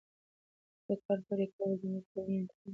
د نوکانو پرې کول د میکروبونو د انتقال مخه نیسي.